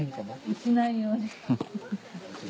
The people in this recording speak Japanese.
落ちないように。